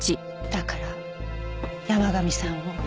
だから山神さんを。